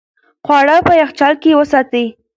خواړه په یخچال کې وساتئ.